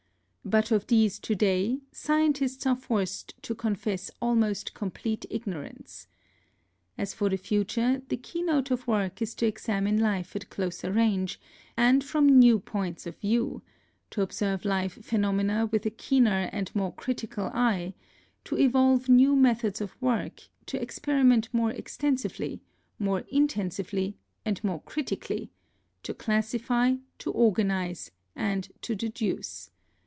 But of these to day scientists are forced to confess almost complete ignorance. As for the future, the keynote of work is to examine life at closer range and from new points of view, to observe life phenomena with a keener and more critical eye, to evolve new methods of work, to experiment more extensively, more intensively and more critically, to classify, to organize and to deduce.